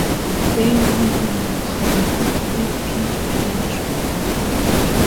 بین آن همه مخلفات، یک پیچ پیدا نشد